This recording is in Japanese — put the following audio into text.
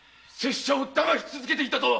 しゃをだまし続けていたと。